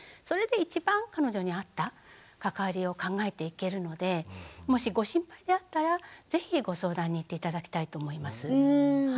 それで一番彼女に合った関わりを考えていけるのでもしご心配であったら是非ご相談に行って頂きたいと思います。